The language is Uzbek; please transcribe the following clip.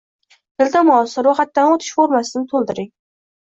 Iltimos, roʻyxatdan oʻtish formasini toʻldiring.